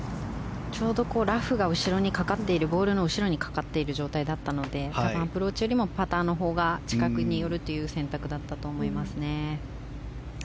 ラフがボールの後ろにかかっている状態だったので多分、アプローチよりもパターのほうが近くに寄るという選択だったと思います。